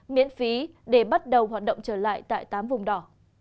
miễn phí để bắt đầu hoạt động trở lại tại tám vùng đỏ